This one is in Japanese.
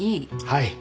はい。